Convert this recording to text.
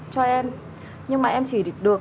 cho em nhưng mà em chỉ được